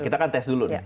kita kan tes dulu nih